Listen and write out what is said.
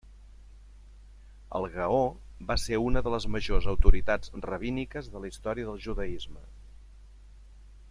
El Gaó va ser una de les majors autoritats rabíniques de la història del judaisme.